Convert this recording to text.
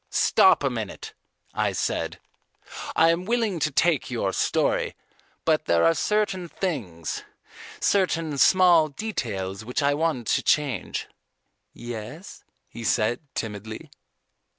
"Stop a minute," I said. "I am willing to take your story, but there are certain things, certain small details which I want to change." "Yes?" he said timidly.